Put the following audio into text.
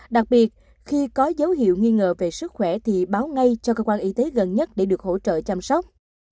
đặc biệt khi có dấu hiệu nghi ngờ về sức khỏe thì báo ngay cho cơ quan y tế gần nhất để được hỗ trợ chăm sóc